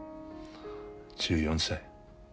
１４歳。